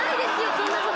そんなこと！